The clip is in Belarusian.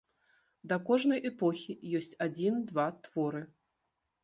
Да кожнай эпохі ёсць адзін-два творы.